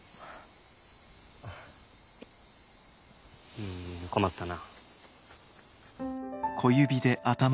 うん困ったな。